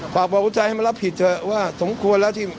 ฝากบอกผู้ใจให้มารับผิดเถอะว่าสมควรแล้วที่